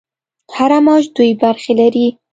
هر موج دوې برخې لري.